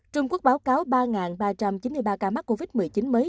trung quốc báo cáo ba ba trăm chín mươi ba ca mắc covid một mươi chín mới